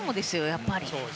やっぱり。